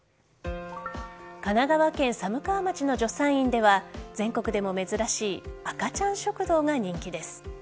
神奈川県寒川町の助産院では全国でも珍しい赤ちゃん食堂が人気です。